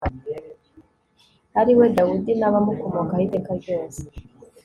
ari we dawudi n'abamukomokaho iteka ryose